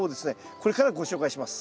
これからご紹介します。